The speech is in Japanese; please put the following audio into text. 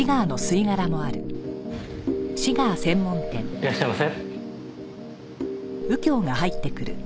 いらっしゃいませ。